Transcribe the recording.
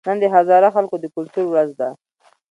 نن د هزاره خلکو د کلتور ورځ ده